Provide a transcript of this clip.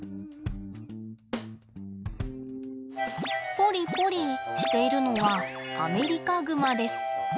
ポリポリしているのはアメリカグマです。